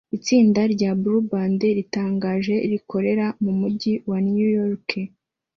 Itsinda rya Blue Band ritangaje rikorera mu mujyi wa New York